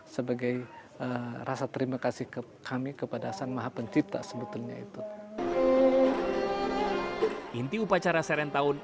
sebagai rasa terima kasih ke kami kepada san maha pencipta sebetulnya itu inti upacara serentau